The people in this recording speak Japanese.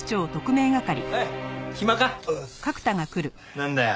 なんだよ。